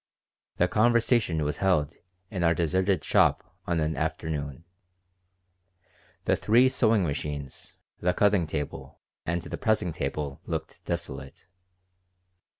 The conversation was held in our deserted shop on an afternoon. The three sewing machines, the cutting table, and the pressing table looked desolate.